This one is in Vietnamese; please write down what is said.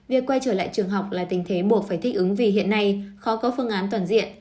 việc quay trở lại trường học là tình thế buộc phải thích ứng vì hiện nay khó có phương án toàn diện